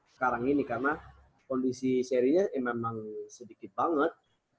sekarang ini karena kondisi serinya memang sedikit banget